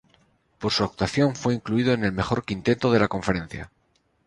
Por su actuación, fue incluido en el mejor quinteto de la conferencia.